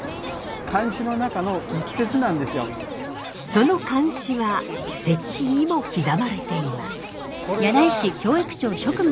その漢詩は石碑にも刻まれています。